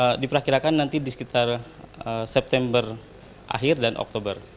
ya diperkirakan nanti di sekitar september akhir dan oktober